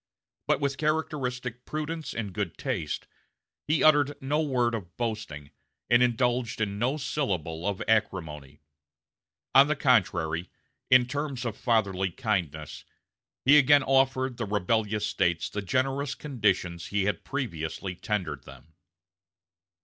But with characteristic prudence and good taste, he uttered no word of boasting, and indulged in no syllable of acrimony; on the contrary, in terms of fatherly kindness he again offered the rebellious States the generous conditions he had previously tendered them.